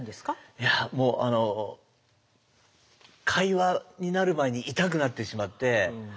いやもう会話になる前に痛くなってしまって。